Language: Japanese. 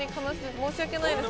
申し訳ないです。